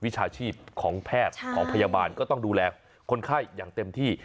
วิชาชีพของแพทย์ของพยาบาลก็ต้องดูแลคนไข้อย่างเต็มที่